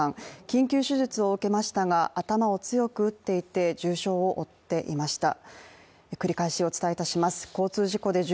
緊急手術を受けましたが頭を強く打っていて重傷を負っていました。